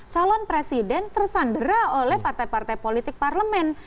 calon presiden tersandera oleh partai partai politik parlemen